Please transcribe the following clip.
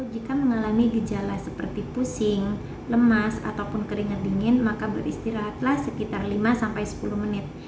jika mengalami gejala seperti pusing lemas ataupun keringat dingin maka beristirahatlah sekitar lima sampai sepuluh menit